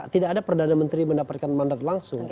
tidak ada perdana menteri mendapatkan mandat langsung